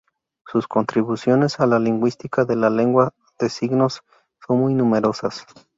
Sus contribuciones a la lingüística de la lengua de signos son muy numerosas.